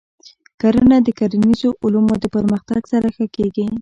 کرنه د کرنیزو علومو د پرمختګ سره ښه کېږي.